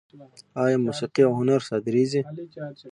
آیا موسیقي او هنر صادریږي؟